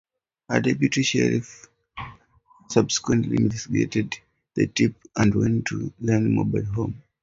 A deputy sheriff subsequently investigated the tip and went to Riley's mobile home.